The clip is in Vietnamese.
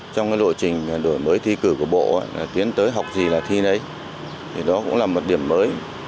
trong lộ trình đổi mới thi cử của bộ tiến tới học gì là thi đấy thì đó cũng là một điểm mới